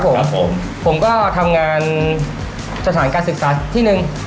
ก็เหลืองี้เงินส่วนหนึ่ง